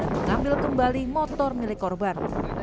mengambil kembali motor milik korban